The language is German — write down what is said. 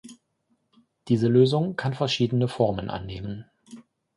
Diese Lösung kann verschiedene Formen annehmen.